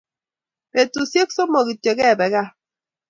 betushek somoku kityok kepeee kaa